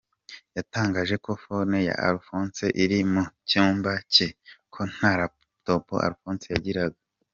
Yatangaje ko phone ya Alphonse iri mu cyumba cye, ko nta laptop Alphonse yagiraga.